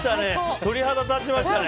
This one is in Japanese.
鳥肌立ちましたね。